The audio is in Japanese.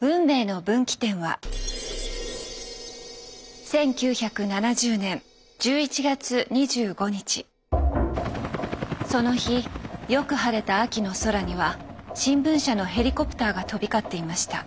運命の分岐点はその日よく晴れた秋の空には新聞社のヘリコプターが飛び交っていました。